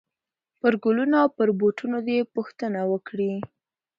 پرګلونو او پر بوټو دي، پوښتنه وکړئ !!!